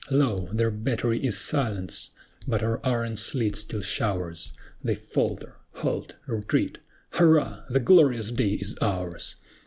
Lo! their battery is silenced! but our iron sleet still showers: They falter, halt, retreat, Hurrah! the glorious day is ours!